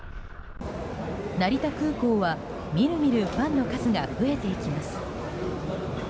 成田空港は、みるみるファンの数が増えていきます。